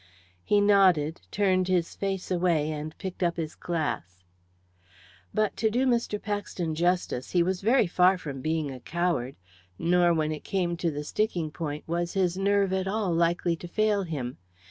He nodded, turned his face away, and picked up his glass. But to do Mr. Paxton justice, he was very far from being a coward; nor, when it came to the sticking point, was his nerve at all likely to fail him.